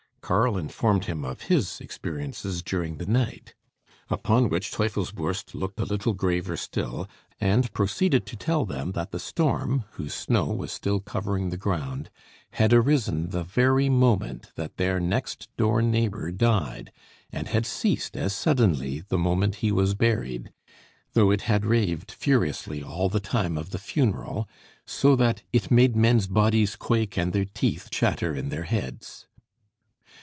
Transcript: Karl informed him of his experiences during the night; upon which Teufelsbürst looked a little graver still, and proceeded to tell them that the storm, whose snow was still covering the ground, had arisen the very moment that their next door neighbour died, and had ceased as suddenly the moment he was buried, though it had raved furiously all the time of the funeral, so that "it made men's bodies quake and their teeth chatter in their heads."